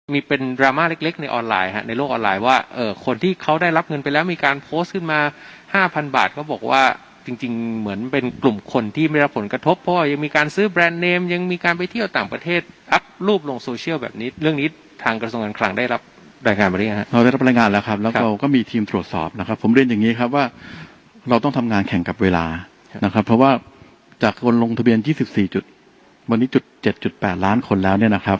มีเป็นดราม่าเล็กเล็กในออนไลน์ฮะในโลกออนไลน์ว่าเอ่อคนที่เขาได้รับเงินไปแล้วมีการโพสต์ขึ้นมาห้าพันบาทเขาบอกว่าจริงจริงเหมือนเป็นกลุ่มคนที่ไม่รับผลกระทบเพราะว่ายังมีการซื้อแบรนด์เนมยังมีการไปเที่ยวต่างประเทศอัพรูปลงโซเชียลแบบนี้เรื่องนี้ทางกระทรวงการคลังได้รับบรายงาน